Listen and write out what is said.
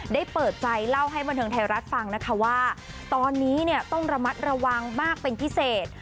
เปิดใจเล่าให้บันเทิงไทยรัฐฟังนะคะว่าตอนนี้เนี่ยต้องระมัดระวังมากเป็นพิเศษ